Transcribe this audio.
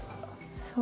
そう。